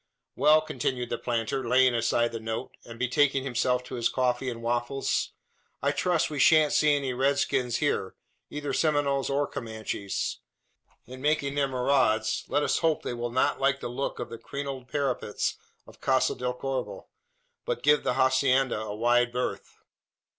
"Well," continued the planter, laying aside the note, and betaking himself to his coffee and waffles, "I trust we sha'n't see any redskins here either Seminoles or Comanches. In making their marauds, let us hope they will not like the look of the crenelled parapets of Casa del Corvo, but give the hacienda a wide berth."